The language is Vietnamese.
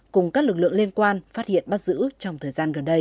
cùng các lực lượng liên quan phát hiện bắt giữ trong thời gian gần đây